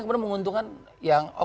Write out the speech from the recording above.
kemudian menguntungkan yang